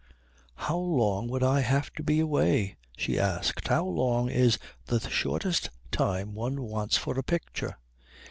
"How long would I have to be away?" she asked. "How long is the shortest time one wants for a picture?"